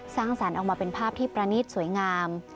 สร้างสรรค์ออกมาเป็นภาพที่ประนิษฐ์สวยงาม